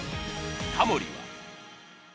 タモリは。